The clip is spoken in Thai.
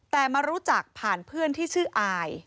แต่มารู้จักผ่านเพื่อนที่ชื่ออาย